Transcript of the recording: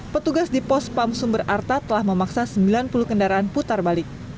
petugas di pos pam sumber arta telah memaksa sembilan puluh kendaraan putar balik